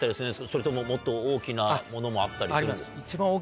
それとももっと大きなものもあったりします？